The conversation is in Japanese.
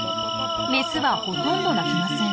メスはほとんど鳴きません。